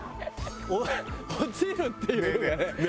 落ちるっていうのがね。